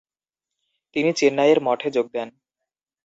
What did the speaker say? তিনি চেন্নাইয়ের মঠে যোগ দেন।